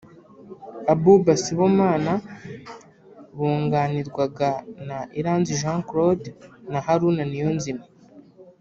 Abouba Sibomana bunganirwaga na Iranzi Jean Claude na Haruna Niyonzima